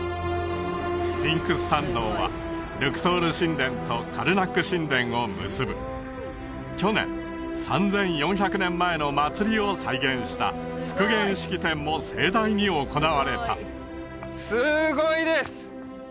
スフィンクス参道はルクソール神殿とカルナック神殿を結ぶ去年３４００年前の祭りを再現した復元式典も盛大に行われたすごいです